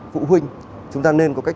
phụ huynh chúng ta nên có cách